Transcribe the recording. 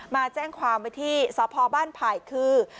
มาแจ้งความไว้ที่สพบ้านไผ่คือ